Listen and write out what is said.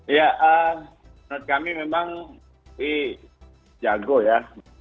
ya menurut kami memang jago ya